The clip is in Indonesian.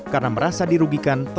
karena merasa dirugikan